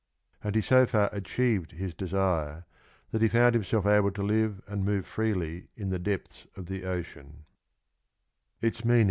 And he so far achieved his desire that he found himself able to live and move freely in the depths of the ocean.